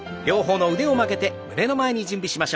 両方の腕を曲げて胸の前に。